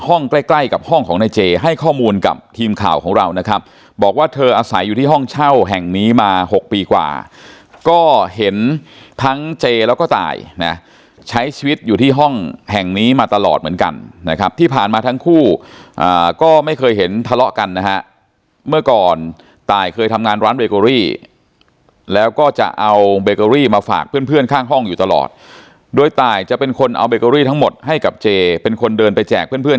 ห้องใกล้กับห้องของนายเจให้ข้อมูลกับทีมข่าวของเรานะครับบอกว่าเธออาศัยอยู่ที่ห้องเช่าแห่งนี้มา๖ปีกว่าก็เห็นทั้งเจแล้วก็ตายใช้ชีวิตอยู่ที่ห้องแห่งนี้มาตลอดเหมือนกันนะครับที่ผ่านมาทั้งคู่ก็ไม่เคยเห็นทะเลาะกันนะฮะเมื่อ